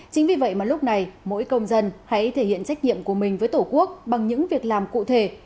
chính vì vậy mà lúc này mỗi công dân hãy thể hiện trách nhiệm của mình với tổ quốc bằng những việc làm cụ thể